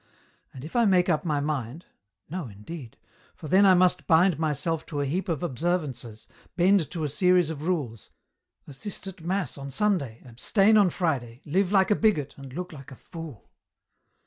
And if I make up my mind — no indeed— for then I must bind myself to a heap of observances, bend to a series of rules, assist at mass on Sunday, abstain on Friday, live like a bigot, and look like a fool."